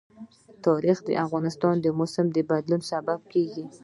تاریخ د افغانستان د موسم د بدلون سبب کېږي.